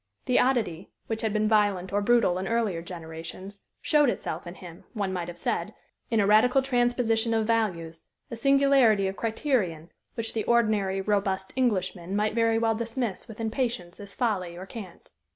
The oddity, which had been violent or brutal in earlier generations, showed itself in him, one might have said, in a radical transposition of values, a singularity of criterion, which the ordinary robust Englishman might very well dismiss with impatience as folly or cant.